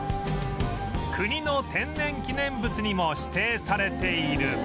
国の天然記念物にも指定されている